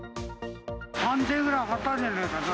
３０００円ぐらい上がったんじゃないかな。